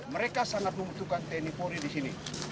mereka sangat membutuhkan tni polri di sini